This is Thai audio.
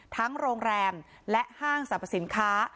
โรงแรมและห้างสรรพสินค้า